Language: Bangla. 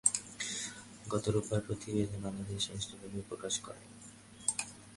গত রোববার এ প্রতিবেদন বাংলাদেশে আনুষ্ঠানিকভাবে প্রকাশ করা হয়।